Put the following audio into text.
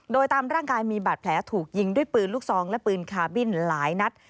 โดยตามร่างกายมีบาดแผลถูกยิงด้วยปืนลูกซองและปืนคาบินหลายนัด